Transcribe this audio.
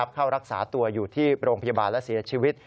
เข้ารักษาตัวอยู่ที่โรงพยาบาลและเสียชีวิต